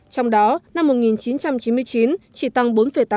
trong đó năm một nghìn chín trăm chín mươi chín chỉ tăng bốn tám